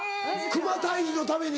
熊退治のために。